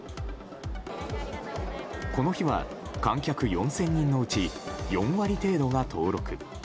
この日は観客４０００人のうち４割程度が登録。